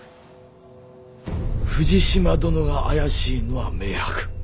富士島殿が怪しいのは明白。